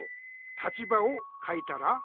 「立場をかえたら？」。